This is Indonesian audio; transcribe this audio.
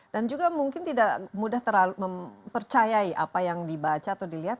dan juga mungkin tidak mudah mempercayai apa yang dibaca atau dilihat